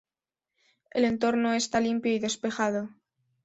El entorno está limpio y despejado.